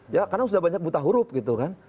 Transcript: ya karena sudah banyak buta huruf gitu kan